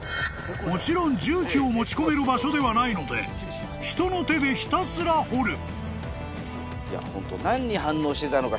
［もちろん重機を持ち込める場所ではないので人の手でひたすら掘る］